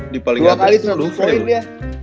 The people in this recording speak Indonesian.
di paling atas seratus poin dia